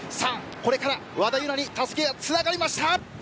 これから和田にたすきがつながりました。